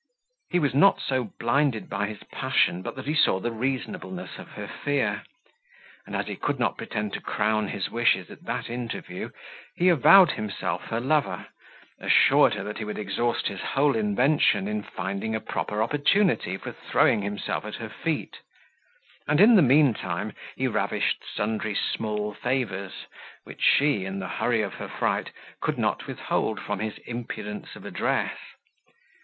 He was not so blinded by his passion, but that he saw the reasonableness of her fear; and as he could not pretend to crown his wishes at that interview, he avowed himself her lover, assured her that he would exhaust his whole invention in finding a proper opportunity for throwing himself at her feet; and in the mean time he ravished sundry small favours, which she in the hurry of her fright, could not withhold from his impudence of address.